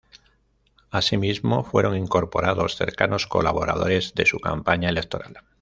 Asímismo fueron incorporados cercanos colaboradores de su campaña electoral.